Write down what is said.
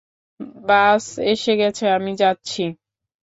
বাস এসে গেছে, আমি যাচ্ছি।